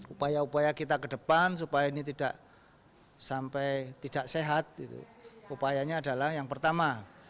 upaya upaya kita ke depan supaya ini tidak sampai tidak sehat upayanya adalah yang pertama